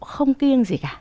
không kiêng gì cả